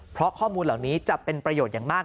เพราะข้อมูลเหล่านี้จะเป็นประโยชน์อย่างมาก